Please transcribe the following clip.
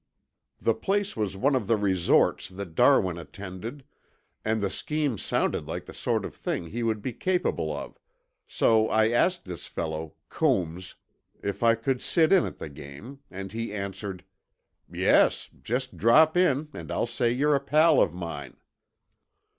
The place was one of the resorts that Darwin attended and the scheme sounded like the sort of thing he would be capable of, so I asked this fellow, Coombs, if I could sit in at the game, and he answered. 'Yes, just drop in and I'll say you're a pal of mine.'